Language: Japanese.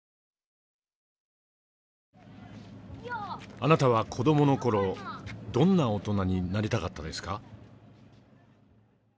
．あなたは子どもの頃どんな大人になりたかったですか？